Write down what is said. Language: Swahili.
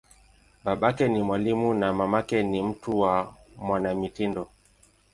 Babake ni mwalimu, na mamake ni mtu wa mwanamitindo.